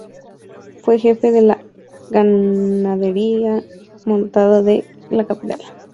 Fue jefe de la Gendarmería Montada de la capital.